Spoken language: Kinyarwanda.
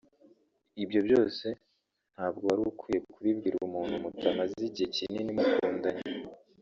ibyo byose ntabwo warukwiye kubibwira umuntu mutamaze igihe kinini mukundanye